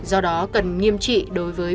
do đó cần nghiêm trị đối với